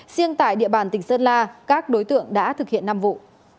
riêng tại địa bàn tỉnh sơn la các đối tượng đã thực hiện năm vụ